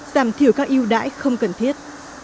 giảm thiểu các yêu đại không cần thiết